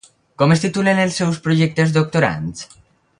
Com es titulen els seus projectes doctorands?